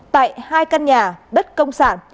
tại hai căn nhà đất công sản